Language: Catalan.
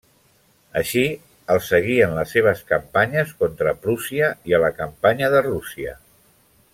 Així, el seguí en les seves campanyes contra Prússia i a la campanya de Rússia.